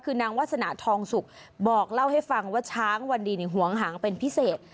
คือนางวาสนาทองสุกบอกเล่าให้ฟังว่าช้างวันดีหวงหางเป็นพิเศษ